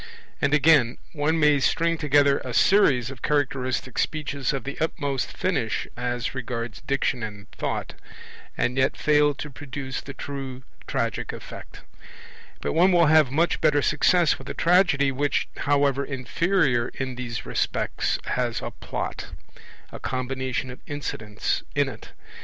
And again: one may string together a series of characteristic speeches of the utmost finish as regards Diction and Thought, and yet fail to produce the true tragic effect; but one will have much better success with a tragedy which, however inferior in these respects, has a Plot, a combination of incidents, in it.